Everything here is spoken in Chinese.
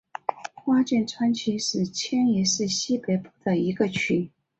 花见川区是千叶市西北部的一个区。